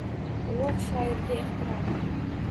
Ulug‘ shoirga ehtirom